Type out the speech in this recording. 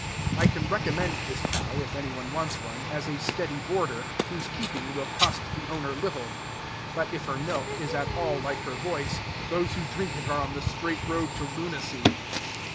I can recommend this cow, if anybody wants one, as a steady boarder, whose keeping will cost the owner little; but, if her milk is at all like her voice, those who drink it are on the straight road to lunacy.